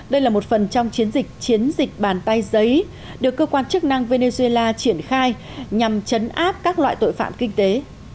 đây là một phần trong chiến dịch chiến dịch bàn tay giấy được cơ quan chức năng venezuela triển khai nhằm chấn áp các loại tội phạm kinh tế